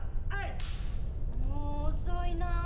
「もう遅いな」